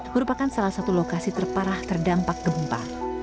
merupakan salah satu lokasi terparah terdampak gempa